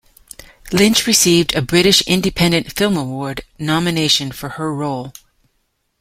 Lynch received a British Independent Film Award nomination for her role.